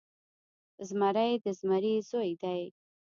زمری د زمري زوی دی.